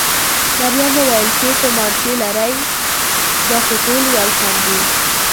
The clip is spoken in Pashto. مريم وویل: ښې تومانچې لرئ؟ دا خو ټولې یو شان دي.